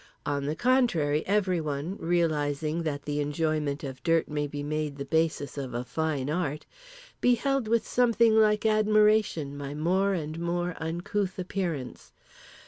On the contrary everyone (realizing that the enjoyment of dirt may be made the basis of a fine art) beheld with something like admiration my more and more uncouth appearance.